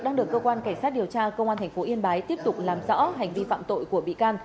đang được cơ quan cảnh sát điều tra công an tp yên bái tiếp tục làm rõ hành vi phạm tội của bị can